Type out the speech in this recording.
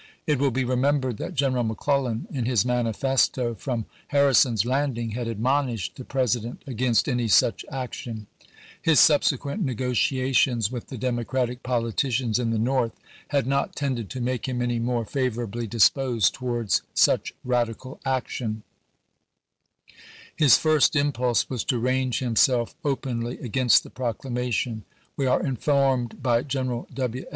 It will be remembered 1862. that General McClellan, in his manifesto from Har rison's Landing, had admonished the President against any such action. His subsequent negotia tions with the Democratic politicians in the North had not tended to make him any more favorably 1 It was really much more than this. 180 ABKAHAM LINCOLN ch.\p. IX. disposed towards such radical action. His first impulse was to range himself openly against the Proclamation. We are informed by General W.